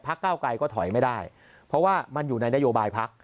เก้าไกลก็ถอยไม่ได้เพราะว่ามันอยู่ในนโยบายพัก